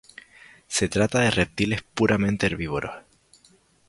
Se trata de reptiles puramente herbívoros.